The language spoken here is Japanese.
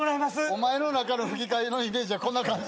お前の中の吹き替えのイメージはこんな感じ。